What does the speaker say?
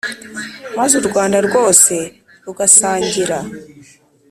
maze u Rwanda rwose rugasangira